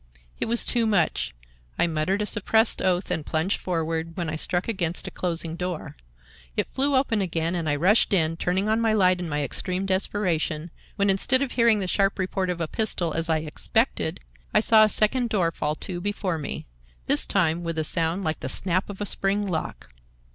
It was too much. I muttered a suppressed oath and plunged forward, when I struck against a closing door. It flew open again and I rushed in, turning on my light in my extreme desperation, when, instead of hearing the sharp report of a pistol, as I expected, I saw a second door fall to before me, this time with a sound like the snap of a spring lock.